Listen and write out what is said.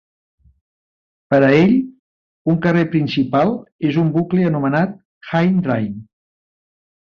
Per a ell, un carrer principal és un bucle anomenat Hind Drive.